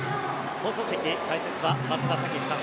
放送席解説は松田丈志さん。